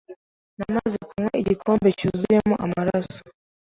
Namaze kunywa igikombe cyuzuyemo amaraso